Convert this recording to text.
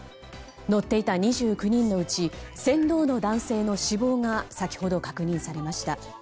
乗っていた２９人のうち船頭の男性の死亡が先ほど確認されました。